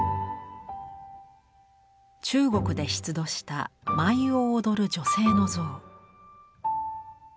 中国で出土した舞を踊る女性の像。